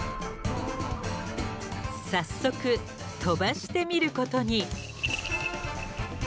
早速飛ばしてみることに。